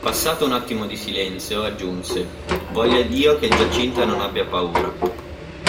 Passato un attimo di silenzio, aggiunse:"Voglia Dio che Giacinta non abbia paura.".